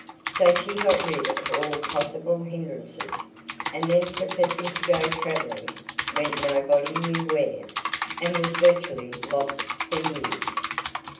So she got rid of all possible hindrances, and then professing to go travelling went nobody knew where, and was virtually lost for years.